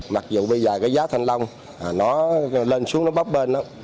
mặc dù bây giờ giá thanh long nó lên xuống nó bóp bên đó